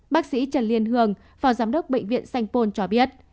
bác sĩ trần liên hương phò giám đốc bệnh viện sanh pôn cho biết